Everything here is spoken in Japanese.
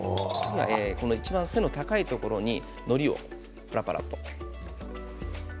いちばん背の高いところにのりをパラパラと。